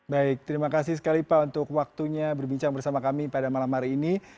baik terima kasih sekali pak untuk waktunya berbincang bersama kami pada malam hari ini